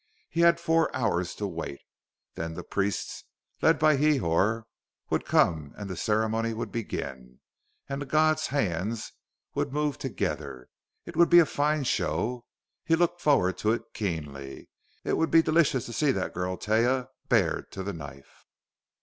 He had four hours to wait. Then the priests, led by Hrihor, would come, and the ceremony would begin, and the god's hands would move together. It would be a fine show! He looked forward to it keenly. It would be delicious to see that girl Taia bared to the knife.